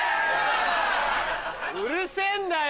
うるせぇんだよ！